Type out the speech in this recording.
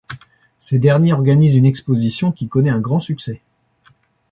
Ces derniers organisent une exposition qui connaît un grand succès.